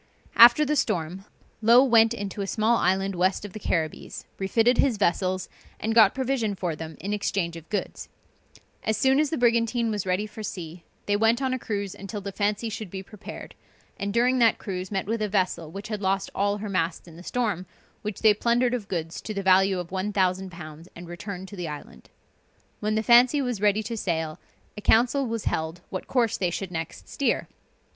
After the storm, Low went into a small island west of the Carribbees, refitted his vessels, and got provision for them in exchange of goods. As soon as the brigantine was ready for sea, they went on a cruise until the Fancy should be prepared, and during that cruise, met with a vessel which had lost all her masts in the storm, which they plundered of goods to the value of 1000_l_. and returned to the island. When the Fancy was ready to sail, a council was held what course they should next steer.